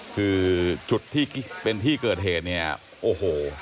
คือจุดที่เป็นที่เกิดเหตุเนี่ยโอ้โห